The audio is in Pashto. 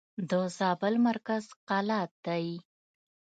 د زابل مرکز قلات دئ.